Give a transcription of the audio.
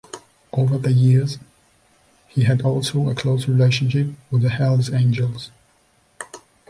Over the years he had also a close relationship with the Hells Angels.